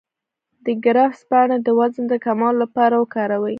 د کرفس پاڼې د وزن د کمولو لپاره وکاروئ